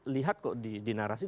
lihat kok di narasi